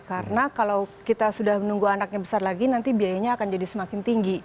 karena kalau kita sudah menunggu anaknya besar lagi nanti biayanya akan jadi semakin tinggi